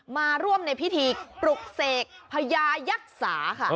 มาร่วมในพิธีปลุกเสกพญายักษาค่ะ